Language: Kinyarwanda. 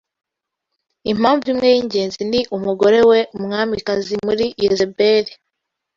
Impamvu imwe y’ingenzi ni umugore we Umwamikazi mubi Yezebeli